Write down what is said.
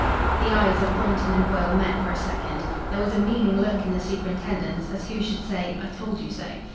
The eyes of Thornton and Foyle met for a second. There was a meaning look in the superintendent's, as who should say, "I told you so."